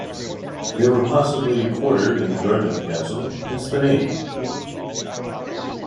They were possibly quartered in the garden of the castle, hence the name.